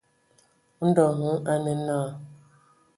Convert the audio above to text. Ndɔ hm a nə naa.